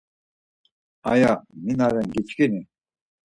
Aya mi na ren giçkini?